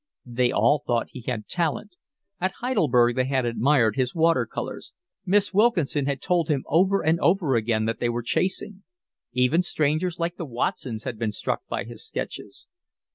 They all thought he had talent; at Heidelberg they had admired his water colours, Miss Wilkinson had told him over and over again that they were chasing; even strangers like the Watsons had been struck by his sketches.